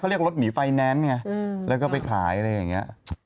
เรียกรถหนีไฟแนนซ์ไงแล้วก็ไปขายอะไรอย่างนี้